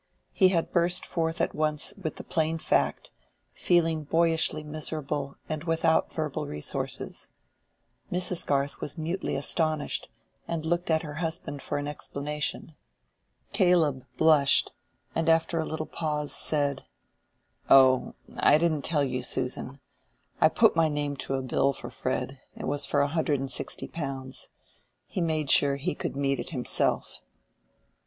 He had burst forth at once with the plain fact, feeling boyishly miserable and without verbal resources. Mrs. Garth was mutely astonished, and looked at her husband for an explanation. Caleb blushed, and after a little pause said— "Oh, I didn't tell you, Susan: I put my name to a bill for Fred; it was for a hundred and sixty pounds. He made sure he could meet it himself."